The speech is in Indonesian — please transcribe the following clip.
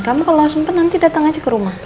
kamu kalau sempat nanti datang aja ke rumah